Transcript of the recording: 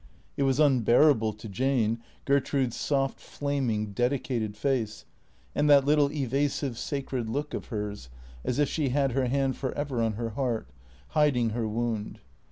It was unbearable to Jane, Gertrude's soft flaming, dedicated face, and that little evasive, sacred look of hers, as if she had her hand for ever on her heart, hiding her wound.